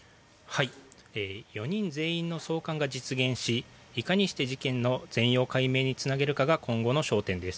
４人全員の送還が実現しいかにして事件の全容解明につなげるかが今後の焦点です。